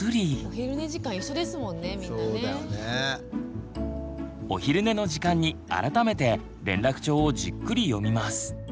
お昼寝の時間に改めて連絡帳をじっくり読みます。